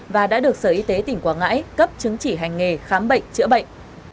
và đã được sở y tế tỉnh quảng ngãi cấp chứng chỉ hành nghề khám bệnh chữa bệnh